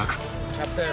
キャプテン。